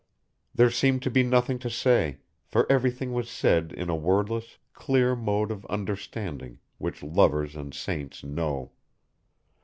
There seemed to be nothing to say, for everything was said in a wordless, clear mode of understanding, which lovers and saints know.